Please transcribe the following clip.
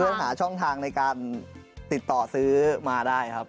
เพื่อหาช่องทางในการติดต่อซื้อมาได้ครับ